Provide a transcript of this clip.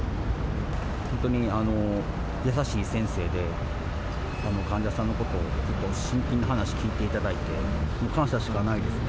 本当に優しい先生で、患者さんのことを真剣に話聞いていただいて、感謝しかないです。